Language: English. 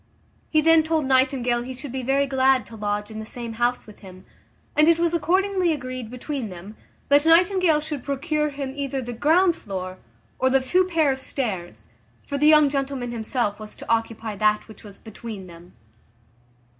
He then told Nightingale he should be very glad to lodge in the same house with him; and it was accordingly agreed between them, that Nightingale should procure him either the ground floor, or the two pair of stairs; for the young gentleman himself was to occupy that which was between them.